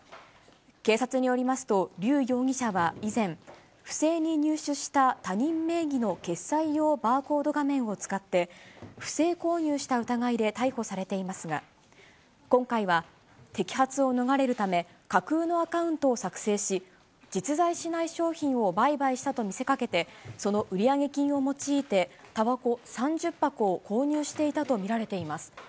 警察によりますと、劉容疑者は以前、不正に入手した他人名義の決済用バーコード画面を使って、不正購入した疑いで逮捕されていますが、今回は摘発を逃れるため、架空のアカウントを作成し、実在しない商品を売買したと見せかけて、その売上金を用いて、たばこ３０箱を購入していたと見られています。